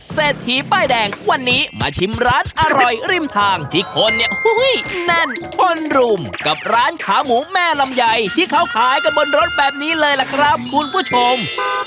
เศรษฐีป้ายแดงวันนี้มาชิมร้านอร่อยริมทางที่คนเนี่ยแน่นคนรุมกับร้านขาหมูแม่ลำไยที่เขาขายกันบนรถแบบนี้เลยล่ะครับคุณผู้ชม